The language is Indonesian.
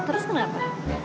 terus tuh kenapa